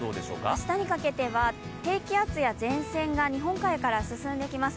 明日にかけては低気圧や前線が日本海から進んできます。